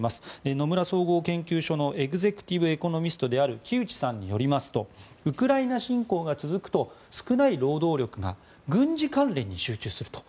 野村総合研究所のエグゼクティブ・エコノミストである木内さんによりますとウクライナ侵攻が続くと少ない労働力が軍事関連に集中すると。